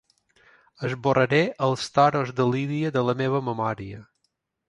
Esborraré els toros de lídia de la meva memòria.